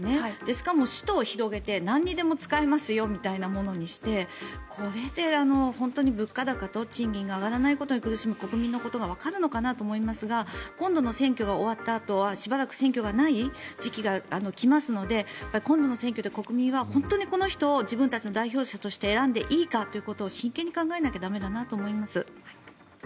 しかも、使途を広げてなんにでも使えますよみたいなものにしてこれで本当に物価高と賃金が上がらないことに苦しむ国民のことがわかるのかなと思いますが今度の選挙が終わったあとはしばらく選挙がない時期が来ますので今度の選挙で国民は本当にこの人を自分たちの代表者として選んでいいかということを真剣に考えなきゃ駄目だなと思います。